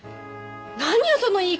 何よその言い方！